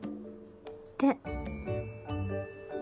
で。